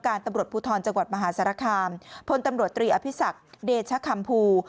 ตำรวจภูทรจังหวัดมหาสารคามพลตำรวจตรีอภิษักเดชคัมภู